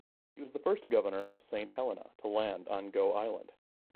He was the first Governor of Saint Helena to land on Gough Island.